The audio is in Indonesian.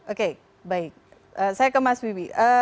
oke baik saya ke mas wiwi